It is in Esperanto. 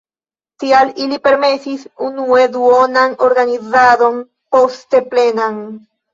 Tial ili permesis unue duonan organizadon, poste plenan.